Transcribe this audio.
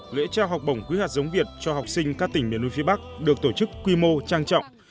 lễ trao học bổng quý hạt giống việt cho học sinh các tỉnh miền núi phía bắc được tổ chức quy mô trang trọng